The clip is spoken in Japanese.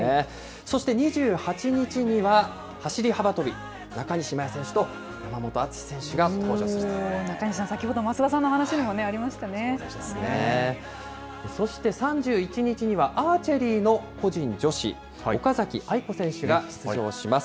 そして２８日には走り幅跳び、中西麻耶選手と山本篤選手が登場し中西さん、先ほど増田さんのそして３１日には、アーチェリーの個人女子、岡崎愛子選手が出場します。